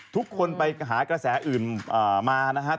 ทุกคนไปหากระแสอื่นมานะครับ